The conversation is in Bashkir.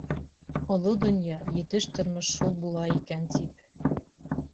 Оло донъя, етеш тормош шул була икән тип...